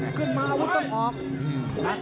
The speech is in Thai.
นี่คือยอดมวยแท้รักที่ตรงนี้ครับ